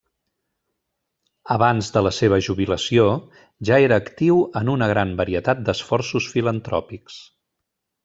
Abans de la seva jubilació, ja era actiu en una gran varietat d'esforços filantròpics.